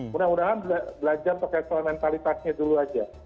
mudah mudahan belajar mentalitasnya dulu aja